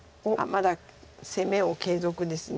まだ攻めを継続です。